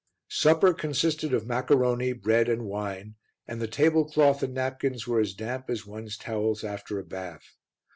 Supper consisted of maccaroni, bread and wine, and the table cloth and napkins were as damp as one's towels after a bath.